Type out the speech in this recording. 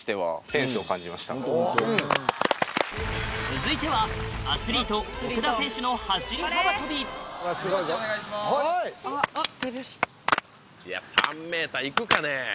続いてはアスリート３ｍ行くかね？